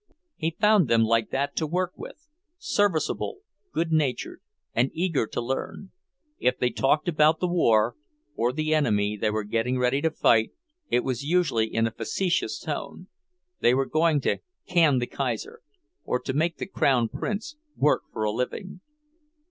He found them like that to work with; serviceable, good natured, and eager to learn. If they talked about the war, or the enemy they were getting ready to fight, it was usually in a facetious tone; they were going to "can the Kaiser," or to make the Crown Prince work for a living.